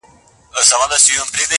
په څپو کي ستا غوټې مي وې لیدلي!.